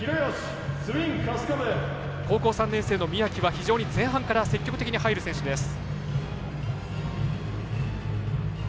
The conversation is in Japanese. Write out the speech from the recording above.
高校３年生の宮木は非常に前半から積極的に入る選手です。